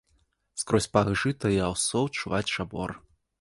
Скрозь пах жыта і аўсоў чуваць чабор.